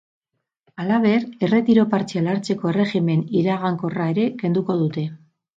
Halaber, erretiro partziala hartzeko erregimen iragankorra ere kenduko dute.